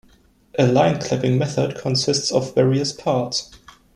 A line-clipping method consists of various parts.